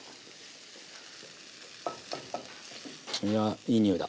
いやいい匂いだ。